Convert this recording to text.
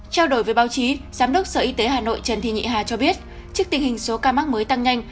trao đổi với báo chí giám đốc sở y tế hà nội trần thị nhị hà cho biết trước tình hình số ca mắc mới tăng nhanh